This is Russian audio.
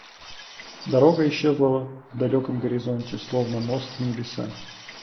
Дорога исчезала в далеком горизонте, словно мост в небеса.